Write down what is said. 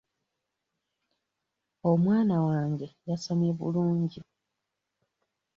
Omwana wange yasomye bulungi.